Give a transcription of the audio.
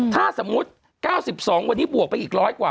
ถ้าสมมุติ๙๒วันนี้บวกไปอีก๑๐๐กว่า